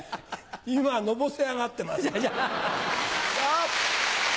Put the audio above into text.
今のぼせ上がってます。